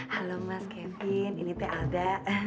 halo mas kevin ini teh ada